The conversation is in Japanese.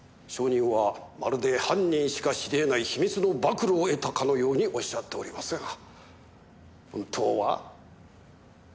証人はまるで犯人しか知りえない秘密の暴露を得たかのようにおっしゃっておりますが本当は。